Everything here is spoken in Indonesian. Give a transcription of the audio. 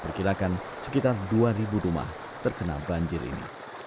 perkirakan sekitar dua rumah terkena banjir ini